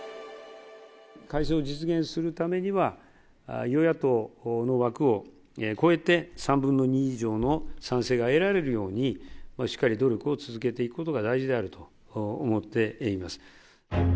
改正を実現するためには、与野党の枠を越えて、３分の２以上の賛成が得られるように、しっかり努力を続けていくことが大事であると思っています。